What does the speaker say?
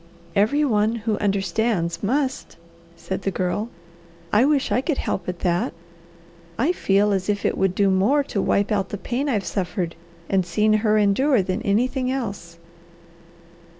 "Every one who understands must," said the Girl. "I wish I could help at that. I feel as if it would do more to wipe out the pain I've suffered and seen her endure than anything else.